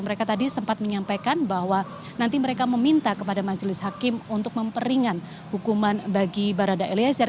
mereka tadi sempat menyampaikan bahwa nanti mereka meminta kepada majelis hakim untuk memperingan hukuman bagi barada eliezer